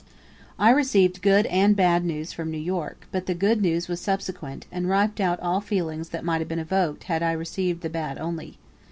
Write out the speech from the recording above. I received good and bad news from New York, but the good news was subsequent, and wiped out all feelings that might have been evoked had I received the bad only.